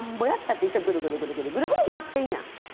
ぐるぐるぐるぐるぐるぐる回ってんや。